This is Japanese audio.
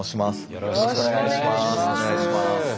よろしくお願いします。